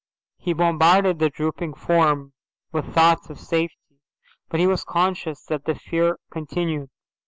He bombarded the drooping form with thoughts of safety, but he was conscious that the fear continued.